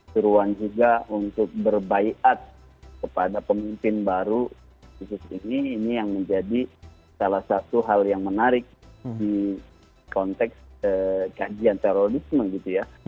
seruan juga untuk berbaikat kepada pemimpin baru khusus ini ini yang menjadi salah satu hal yang menarik di konteks kajian terorisme gitu ya